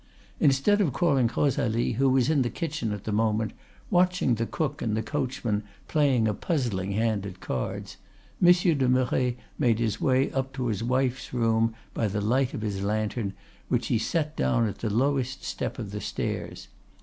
Instead of calling Rosalie, who was in the kitchen at the moment watching the cook and the coachman playing a puzzling hand at cards, Monsieur de Merret made his way to his wife's room by the light of his lantern, which he set down at the lowest step of the stairs.